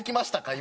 今。